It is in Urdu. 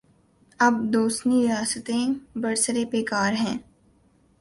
اب دوسنی ریاستیں برسر پیکار ہیں۔